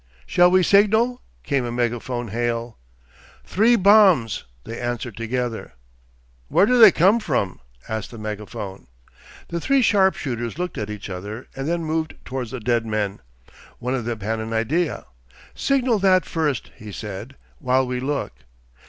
'Shall we signal?' came a megaphone hail. 'Three bombs,' they answered together. 'Where do they come from?' asked the megaphone. The three sharpshooters looked at each other and then moved towards the dead men. One of them had an idea. 'Signal that first,' he said, 'while we look.